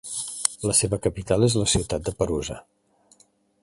La seva capital és la ciutat de Perusa.